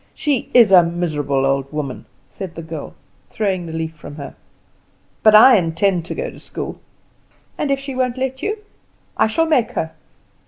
She is a miserable old woman," said the girl, throwing the leaf from her; "but I intend to go to school." "And if she won't let you?" "I shall make her."